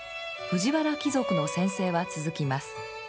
藤原貴族の専制は続きます。